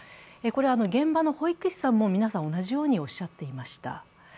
これは現場の保育士さんも皆さん同じようにおっしゃっていました。